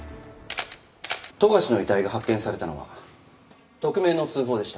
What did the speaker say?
富樫の遺体が発見されたのは匿名の通報でした。